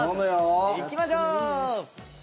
行きましょう！